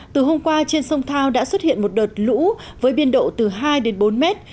từ hôm qua trên sông thao đã xuất hiện một đợt lũ với biên độ từ hai đến bốn mét